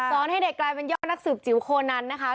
ให้เด็กกลายเป็นยอดนักสืบจิ๋วโคนันนะคะ